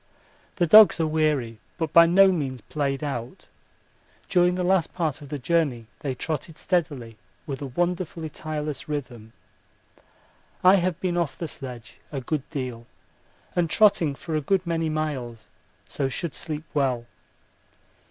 The dogs are weary but by no means played out during the last part of the journey they trotted steadily with a wonderfully tireless rhythm. I have been off the sledge a good deal and trotting for a good many miles, so should sleep well.